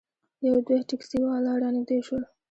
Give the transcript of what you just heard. یو دوه ټیکسي والا رانږدې شول.